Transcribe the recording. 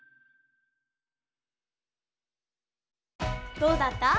どうだった？